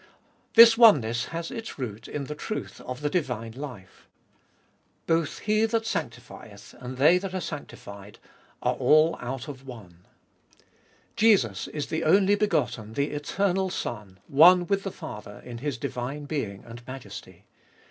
This oneness has its root in the truth of the divine life. Both He that sanctifieth, and they that are sanctified are all 1 Out of. 9 2 Gbe iboliest or out of One. Jesus is the only begotten, the eternal Son, one with the Father in His divine Being and Majesty.